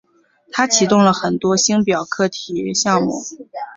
他启动了很多星表课题项目。